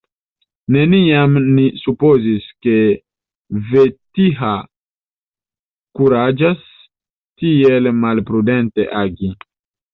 Neniam mi supozis, ke Vetiha kuraĝas tiel malprudente agi.